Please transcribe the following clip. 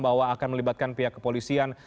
bahwa akan melibatkan pihak kepolisian